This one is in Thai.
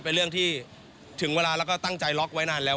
เป็นเรื่องที่ถึงเวลาแล้วก็ตั้งใจล็อกไว้นานแล้ว